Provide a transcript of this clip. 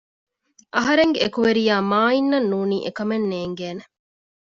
އަހަރެންގެ އެކުވެރިޔާ މާއިން އަށް ނޫނީ އެކަމެއް ނޭނގޭނެ